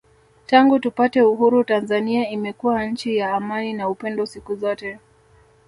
Tangu tupate Uhuru Tanzania imekuwa nchi ya amani na upendo siku zote